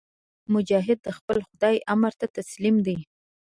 مجاهد د خپل خدای امر ته تسلیم دی.